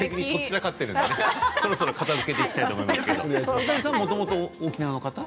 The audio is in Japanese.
大谷さんはもともと沖縄の方？